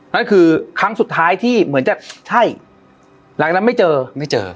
นั่นคือครั้งสุดท้ายที่เหมือนจะใช่หลังจากนั้นไม่เจอไม่เจอ